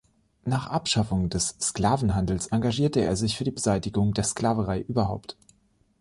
Nach Abschaffung des Sklavenhandels engagierte er sich für die Beseitigung der Sklaverei überhaupt.